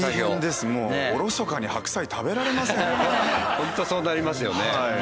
ホントそうなりますよね。